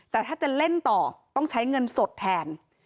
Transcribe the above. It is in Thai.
แต่ถ้าจะเล่นต่อต้องใช้เงินสดแทน